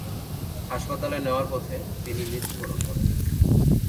হাসপাতালে নেওয়ার পথে তিনি মৃত্যুবরণ করেন।